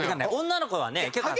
女の子はね結構。